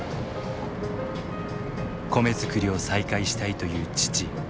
米作りを再開したいという父。